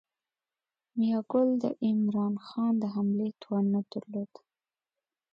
میاګل د عمرا خان د حملې توان نه درلود.